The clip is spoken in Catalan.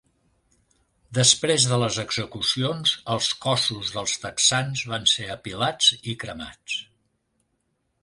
Després de les execucions, els cossos dels texans van ser apilats i cremats.